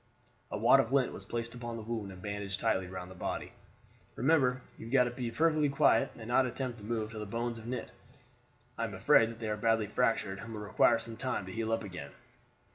A wad of lint was placed upon the wound and bandaged tightly round the body. "Remember you have got to be perfectly quiet, and not attempt to move till the bones have knit. I am afraid that they are badly fractured, and will require some time to heal up again."